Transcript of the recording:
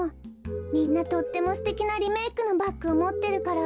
みんなとってもすてきなリメークのバッグをもってるから。